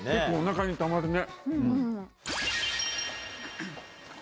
結構、おなかにたまるね。